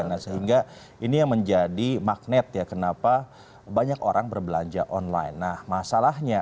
nah sehingga ini yang menjadi magnet ya kenapa banyak orang berbelanja online nah masalahnya